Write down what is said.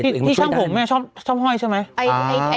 ที่ช่างผมแม่ชอบห้อยใช่ไหม